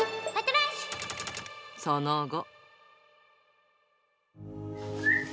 その後。